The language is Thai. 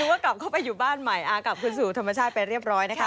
ก็กลับเข้าไปอยู่บ้านใหม่กลับคืนสู่ธรรมชาติไปเรียบร้อยนะคะ